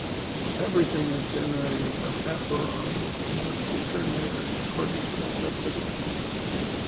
Everything is generated from "apeiron", and must return there according to necessity.